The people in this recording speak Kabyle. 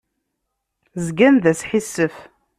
Zgan d asḥissef.